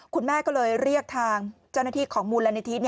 คุณแม่ก็เลยเรียกทางเจ้าหน้าที่ของมูลนิธิ